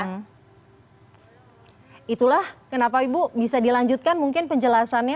hai itulah kenapa ibu bisa dilanjutkan mungkin penjelasannya